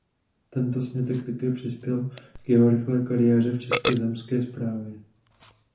Tento sňatek také přispěl k jeho rychlé kariéře v české zemské správě.